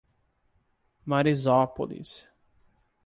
Marizópolis